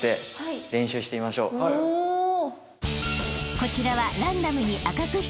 ［こちらは］